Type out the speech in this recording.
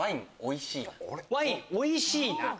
「ワインおいしーな」